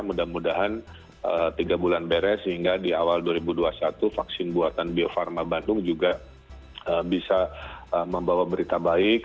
mudah mudahan tiga bulan beres sehingga di awal dua ribu dua puluh satu vaksin buatan bio farma bandung juga bisa membawa berita baik